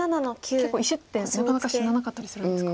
結構石ってなかなか死ななかったりするんですか。